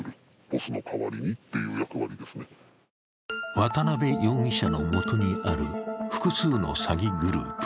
渡辺容疑者のもとにある複数の詐欺グループ。